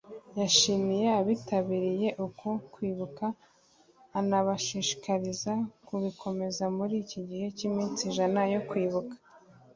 yashimiye abitaniriye uku kwibuka anabashishikariza kubikomeza muri iki gihe cy’iminsi ijana yo kwibuka